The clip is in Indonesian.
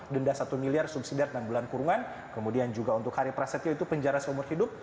denda satu miliar subsidi dari enam bulan kurungan kemudian juga untuk hari prasetyo itu penjara seumur hidup